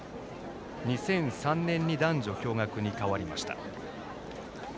２００３年に男女共学に変わりました。